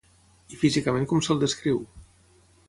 I físicament com se'l descriu?